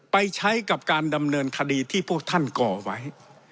ไปใช้กับการดำเนินคดีที่พวกท่านก่อไว้